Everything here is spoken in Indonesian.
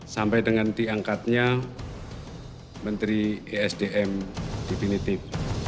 sampai dengan diangkatnya menteri esdm definitif